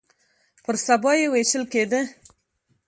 پر سبا يې ويشتل کېده.